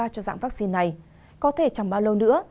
cho dạng vaccine này có thể chẳng bao lâu nữa